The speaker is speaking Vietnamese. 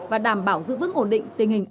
và đảm bảo giữ vững ổn định tình hình